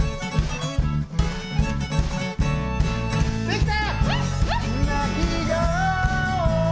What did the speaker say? できた！